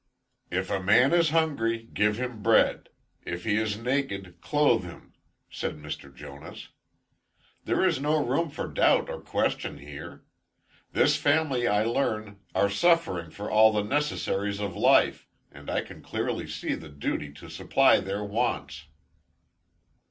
"If a man is hungry, give him bread; if he is naked, clothe him," said Mr. Jonas. "There is no room for doubt or question here. This family I learn, are suffering for all the necessaries of life, and I can clearly see the duty to supply their wants."